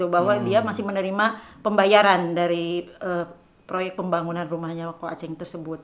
bahwa dia masih menerima pembayaran dari proyek pembangunan rumah nyawa koaching tersebut